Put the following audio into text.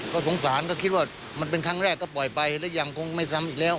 ก็สงสารก็คิดว่ามันเป็นครั้งแรกก็ปล่อยไปและยังคงไม่ซ้ำอีกแล้ว